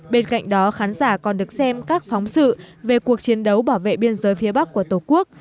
bên cạnh đó khán giả còn được xem các phóng sự về cuộc chiến đấu bảo vệ biên giới phía bắc của tổ quốc